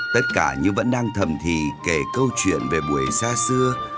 tất cả như vẫn đang thầm thị kể câu chuyện về buổi xa xưa